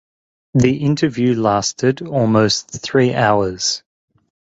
The interview lasted almost three hours.